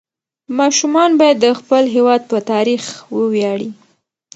ماشومان باید د خپل هېواد په تاریخ وویاړي.